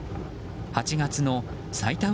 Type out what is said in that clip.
８月の最多